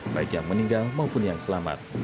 baik yang meninggal maupun yang selamat